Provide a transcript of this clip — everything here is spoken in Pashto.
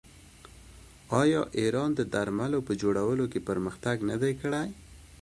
آیا ایران د درملو په جوړولو کې پرمختګ نه دی کړی؟